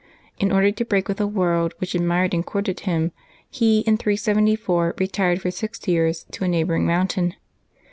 In order to break with a world which admired and courted him, he in 374 retired for six years to a neighboring mountain.